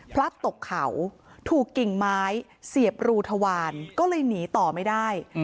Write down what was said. พลัดตกเขาถูกกิ่งไม้เสียบรูทวารก็เลยหนีต่อไม่ได้